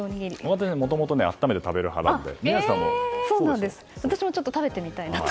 私はもともと温めて食べる派なので。